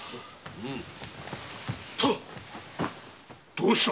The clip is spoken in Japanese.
どうした！？